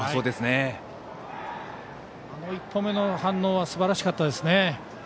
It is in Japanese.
一歩目の反応がすばらしかったですね。